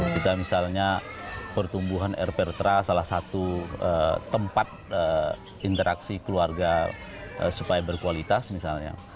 kita misalnya pertumbuhan airpertra salah satu tempat interaksi keluarga supaya berkualitas misalnya